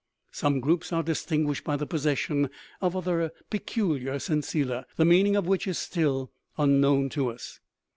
Some groups are distinguished by the possession of other peculiar sensilla, the meaning of which is still unknown to us.